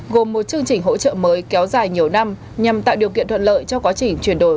gồm một chương trình hỗ trợ mới kéo dài nhiều năm nhằm tạo điều kiện thuận lợi cho quá trình chuyển đổi